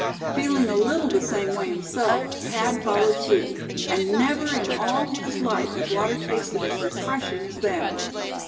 Feeling a little the same way himself, Thad followed suit; and never in all his life had water tasted as refreshing as then.